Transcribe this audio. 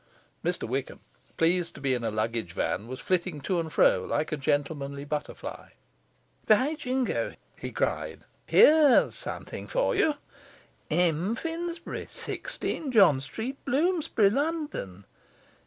Mr Wickham, pleased to be in a luggage van, was flitting to and fro like a gentlemanly butterfly. 'By Jingo!' he cried, 'here's something for you! "M. Finsbury, 16 John Street, Bloomsbury, London."